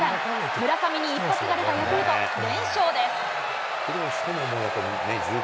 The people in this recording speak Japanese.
村上に一発が出たヤクルト、連勝です。